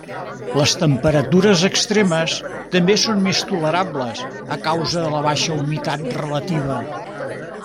Les temperatures extremes també són més tolerables a causa de la baixa humitat relativa.